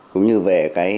cũng như về cái